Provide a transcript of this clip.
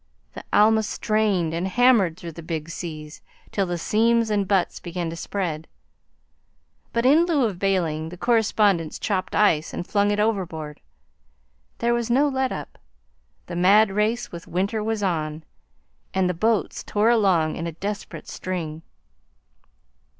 The Alma strained and hammered through the big seas till the seams and butts began to spread, but in lieu of bailing the correspondents chopped ice and flung it overboard. There was no let up. The mad race with winter was on, and the boats tore along in a desperate string.